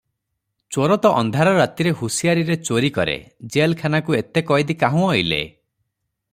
ଚୋର ତ ଅନ୍ଧାର ରାତିରେ ହୁସିଆରୀରେ ଚୋରି କରେ, ଜେଲଖାନାକୁ ଏତେ କଏଦୀ କାହୁଁ ଅଇଲେ?